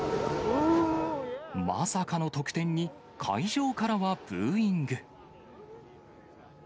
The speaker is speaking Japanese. まさかの得点に、会場からはブーイング。